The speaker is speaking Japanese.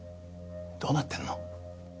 どうなってんの？